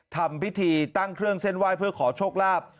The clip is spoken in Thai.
ทำพิธีตั้งเครื่องเส้นไหว้เพื่อขอโชคลาภ